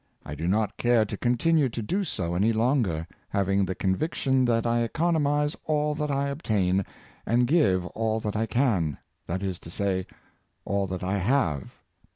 I do not care to continue to do so an}' longer, having the conviction that I economize all that I obtain, and give all that I can — that is to say, all that I have."